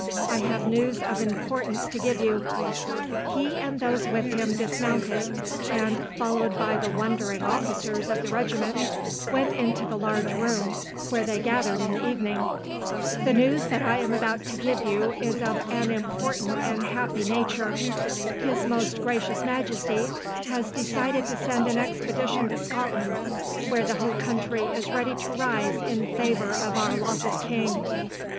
I have news of importance to give you." He and those with him dismounted, and, followed by the wondering officers of the regiment, went into the large room where they gathered in the evening. "The news that I am about to give you is of an important and happy nature. His Most Gracious Majesty has decided to send an expedition to Scotland, where the whole country is ready to rise in favour of our lawful king."